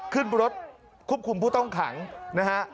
ขึ้นรถควบคุมผู้ต้องขังนะฮะ